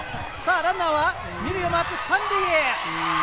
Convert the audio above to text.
ランナーは２塁を回って３塁へ。